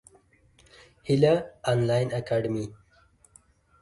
هیله انلاین اکاډمي.